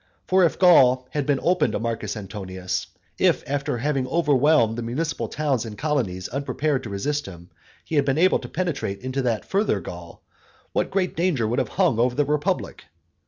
For if Gaul had been open to Marcus Antonius if after having overwhelmed the municipal towns and colonies unprepared to resist him, he had been able to penetrate into that further Gaul what great danger would have hung over the republic!